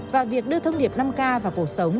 và việc đưa thông điệp năm k vào cuộc sống